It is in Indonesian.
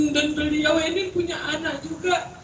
dan beliau ini punya anak juga